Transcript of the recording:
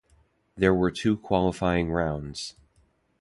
There were two qualifying rounds.